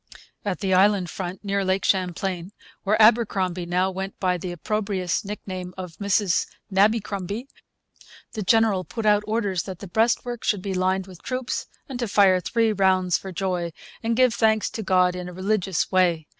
At the inland front, near Lake Champlain, where Abercromby now went by the opprobrious nickname of 'Mrs Nabbycrumby,' 'The General put out orders that the breastwork should be lined with troops, and to fire three rounds for joy, and give thanks to God in a Religious Way.'